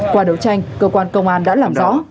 qua đấu tranh cơ quan công an đã làm rõ